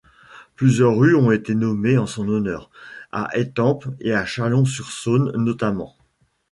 Plusieurs rues ont été nommées en son honneur, à Étampes et Chalon-sur-Saône notamment.